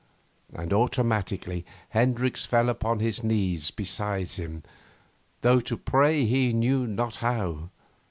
And, automatically, Hendricks fell upon his knees beside him, though to pray he knew not how.